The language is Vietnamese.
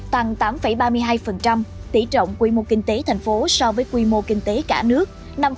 tăng tám ba mươi hai tỷ trọng quy mô kinh tế thành phố so với quy mô kinh tế cả nước